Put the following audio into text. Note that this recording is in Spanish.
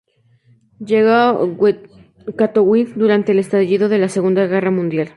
Llegó a Katowice durante el estallido de la Segunda Guerra Mundial.